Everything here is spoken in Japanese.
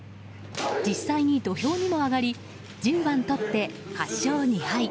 実際に土俵にも上がり１０番取って８勝２敗。